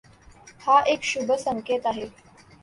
हा एक शुभ संकेत आहे.